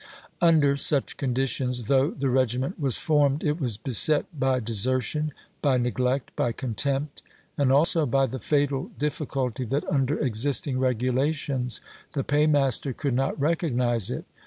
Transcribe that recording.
Under such conditions, though the regiment was formed, it was beset by desertion, by neglect, by contempt, and also by the fatal diffi culty that under existing regulations the pay master could not recognize it.